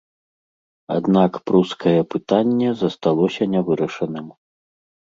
Аднак прускае пытанне засталося нявырашаным.